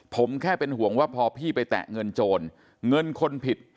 ผมแค่เป็นห่วงว่าพอพี่ไปแตะเงินโจรเงินคนผิด